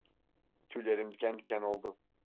Tüylerim diken diken oldu.